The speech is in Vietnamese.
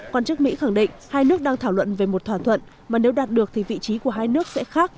quan chức mỹ khẳng định hai nước đang thảo luận về một thỏa thuận mà nếu đạt được thì vị trí của hai nước sẽ khác